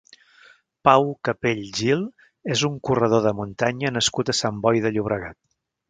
Pau Capell Gil és un corredor de muntanya nascut a Sant Boi de Llobregat.